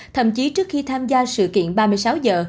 thậm chí trước khi tham gia sự kiện ba mươi sáu giờ